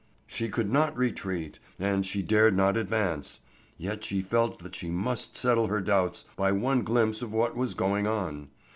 She could not retreat and she dared not advance, yet she felt that she must settle her doubts by one glimpse of what was going on.